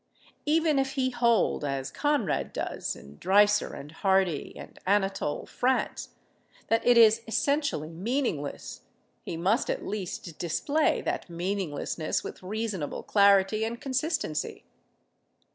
Even if he hold (as Conrad does, and Dreiser, and Hardy, and Anatole France) that it is essentially meaningless, he must at least display that meaninglessness with reasonable clarity and consistency.